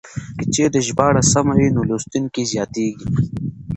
که چېرې ژباړه سمه وي نو لوستونکي زياتېږي.